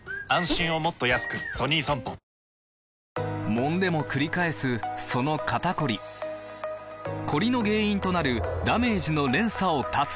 もんでもくり返すその肩こりコリの原因となるダメージの連鎖を断つ！